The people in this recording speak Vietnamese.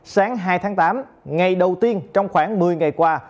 sáng hai tháng tám ngày đầu tiên trong khoảng một mươi ngày qua